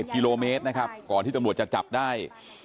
กิโลเมตรนะครับก่อนที่ตำรวจจะจับได้